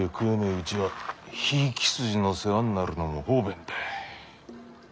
うちはひいき筋の世話になるのも方便だ。